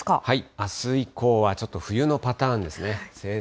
あす以降はちょっと冬のパターンですね。